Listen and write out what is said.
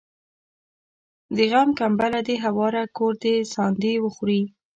د غم کمبله دي هواره کور دي ساندي وخوري